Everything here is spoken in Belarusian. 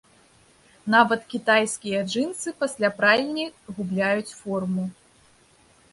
Нават кітайскія джынсы пасля пральні губляюць форму.